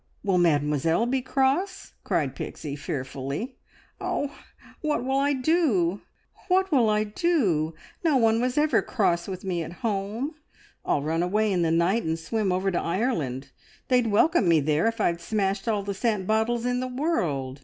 Will Mademoiselle be cross?" cried Pixie fearfully. "Oh, what will I do? What will I do? No one was ever cross with me at home. I'll run away in the night and swim over to Ireland. They'd welcome me there if I'd smashed all the scent bottles in the world.